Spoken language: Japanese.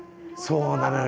そうなのよ。